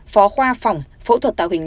phó khoa phòng phẫu thuật tàu hình